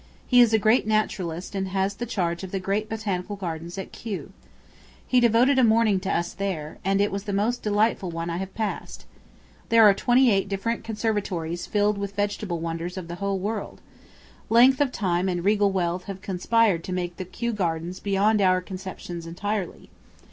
He is a great naturalist and has the charge of the great Botanical Gardens at Kew. He devoted a morning to us there, and it was the most delightful one I have passed. There are twenty eight different conservatories filled with the vegetable wonders of the whole world. Length of time and regal wealth have conspired to make the Kew gardens beyond our conceptions entirely.